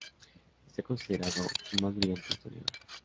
Está considerado su más brillante historiador.